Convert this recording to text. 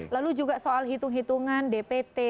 lalu juga soal hitung hitungan dpt